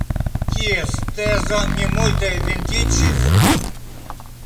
Kies tezo ne multe vendiĝis?